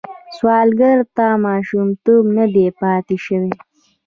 سوالګر ته ماشومتوب نه دی پاتې شوی